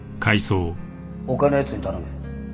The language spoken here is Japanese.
他の奴に頼め。